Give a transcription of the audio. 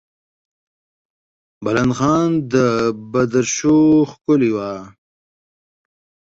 بلند خان د بدرشو کښلې وه.